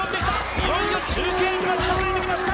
いよいよ中継所が近づいてきました